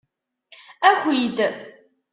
Aki-d!